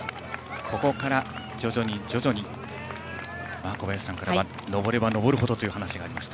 ここから徐々に小林さんからは上れば上るほどという話がありました。